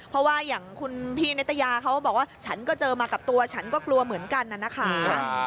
เพราะว่าอย่างคุณพี่นิตยาเขาบอกว่าฉันก็เจอมากับตัวฉันก็กลัวเหมือนกันน่ะนะคะ